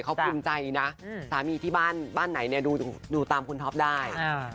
เขาภูมิใจนะสามีที่บ้านไหนเนี่ยดูตามคุณท็อปได้